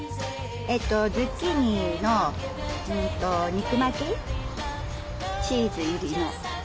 ズッキーニの肉巻きチーズ入りの。